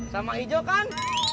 sama hijau kan